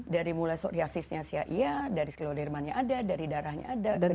dari mulai psoriasisnya siap ya dari sklerodermanya ada dari darahnya ada ke jantung sudah